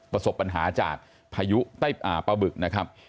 ประสบปัญหาจากพายุใต้ปลาบึกนะครับ